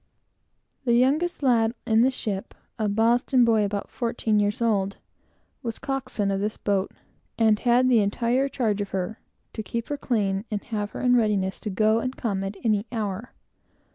The youngest lad in the ship, a Boston boy about thirteen years old, was coxswain of this boat, and had the entire charge of her, to keep her clean, and have her in readiness to go and come at any hour.